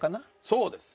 そうです。